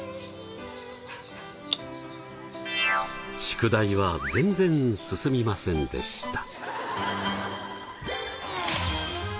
宿題は全然進みませんでした。